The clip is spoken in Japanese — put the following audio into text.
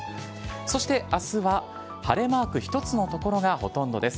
そしてあすは晴れマーク１つの所がほとんどです。